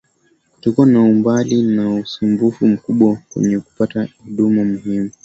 kutakuwa na umbali na usumbufu mkubwa kwenye kupata huduma muhimu